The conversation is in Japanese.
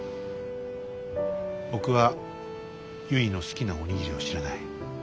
僕はゆいの好きなお握りを知らない。